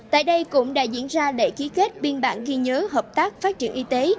tại đây cũng đã diễn ra lễ ký kết biên bản ghi nhớ hợp tác phát triển y tế